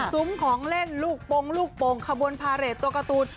ซุ้มของเล่นลูกปงลูกโปรงขบวนพาเรทตัวการ์ตูน